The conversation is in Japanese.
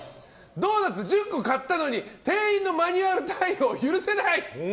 ドーナツ１０個買ったのに店員のマニュアル対応許せない！